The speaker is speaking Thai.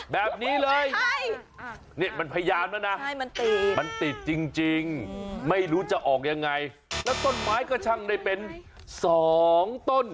แบบนี้เลยใช่มันติดจริงไม่รู้จะออกยังไงแล้วต้นไม้ก็ช่างได้เป็น๒ต้น